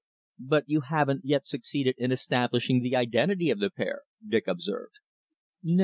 "But you haven't yet succeeded in establishing the identity of the pair," Dick observed. "No.